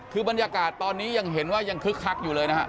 คือบรรยากาศตอนนี้ยังเห็นว่ายังคึกคักอยู่เลยนะฮะ